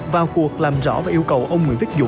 vào cuộc làm rõ và yêu cầu ông nguyễn viết dũng